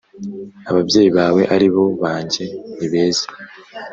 ababyeyi bawe ari bo banjye nibeza